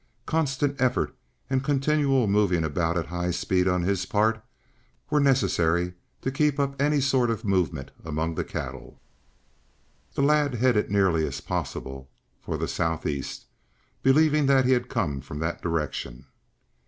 Constant effort and continual moving about at high speed on his part, were necessary to keep up any sort of movement among the cattle. The lad headed as nearly as possible for the southeast, believing that he had come from that direction.